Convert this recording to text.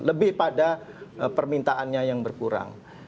lebih pada permintaannya yang berkurang